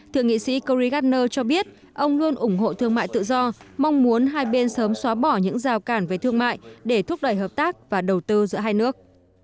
thượng nghị sĩ corey gardner cho biết ông luôn ủng hộ thương mại tự do mong muốn hai bên sớm xóa bỏ những rào cản về thương mại để thúc đẩy hợp tác và đầu tư giữa hai nước